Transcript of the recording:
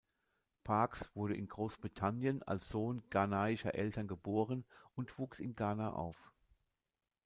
Parkes wurde in Großbritannien als Sohn ghanaischer Eltern geboren und wuchs in Ghana auf.